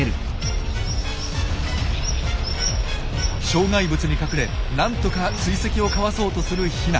障害物に隠れ何とか追跡をかわそうとするヒナ。